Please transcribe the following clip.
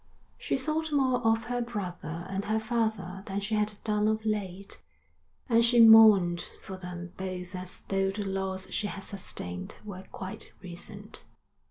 She thought more of her brother and her father than she had done of late, and she mourned for them both as though the loss she had sustained were quite recent.